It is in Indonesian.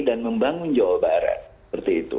dan membangun jawa barat seperti itu